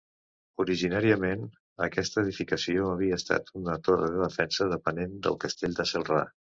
Originàriament, aquesta edificació havia estat una torre de defensa, depenent del castell de Celrà.